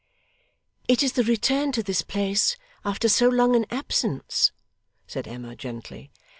'It is the return to this place after so long an absence,' said Emma gently.